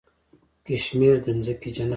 کشمیر د ځمکې جنت دی.